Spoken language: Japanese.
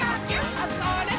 あ、それっ！